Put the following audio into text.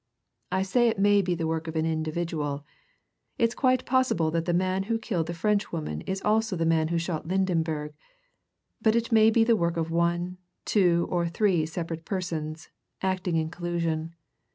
I say it may be the work of an individual it's quite possible that the man who killed the Frenchwoman is also the man who shot Lydenberg but it may be the work of one, two, or three separate persons, acting in collusion.